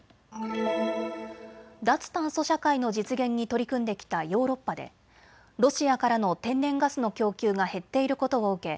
脱炭素社会の実現に取り組んできたヨーロッパでロシアからの天然ガスの供給が減っていることを受け